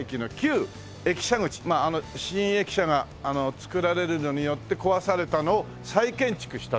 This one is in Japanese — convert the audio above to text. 新駅舎が造られるのによって壊されたのを再建築したという。